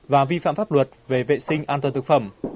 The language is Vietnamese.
và vi phạm pháp luật về vệ sinh an toàn thực phẩm